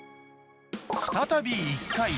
再び１階。